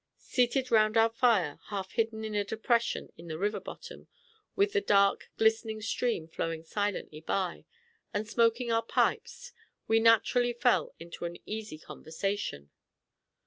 Seated round our fire, half hidden in a depression in the river bottom, with the dark, glistening stream flowing silently by, and smoking our pipes, we naturally fell into an easy conversation.